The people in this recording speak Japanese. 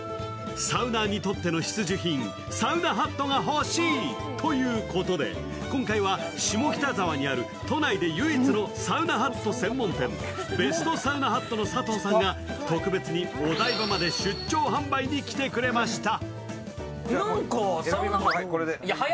サウナーにとっての必需品、サウナハットが欲しいということで、今回は下北沢にある都内で唯一のサウナハット専門店、ベストサウナハットの佐藤さんが特別にお台場まで出張販売に来てくれました。